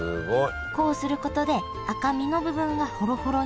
こうすることで赤身の部分はほろほろに。